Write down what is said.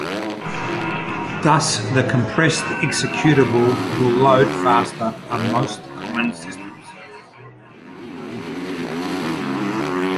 Thus the compressed executable will load faster on most common systems.